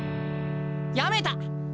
やめた！